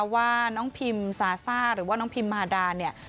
ว่าน้องพิมซาซ่าหรือว่าน้องพิมมาดาเนี่ย